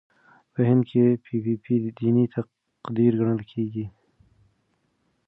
په هند کې پي پي پي دیني تقدیر ګڼل کېږي.